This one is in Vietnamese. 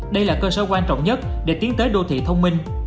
đây là cơ sở quan trọng nhất để tiến tới đô thị thông minh